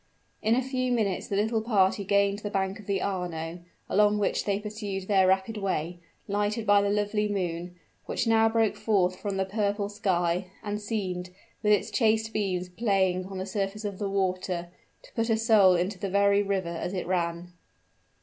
In a few minutes the little party gained the bank of the Arno, along which they pursued their rapid way, lighted by the lovely moon, which now broke forth from the purple sky, and seemed, with its chaste beams playing on the surface of the water, to put a soul into the very river as it ran!